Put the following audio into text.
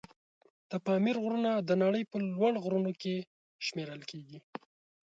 د پامیر غرونه د نړۍ په لوړ غرونو کې شمېرل کېږي.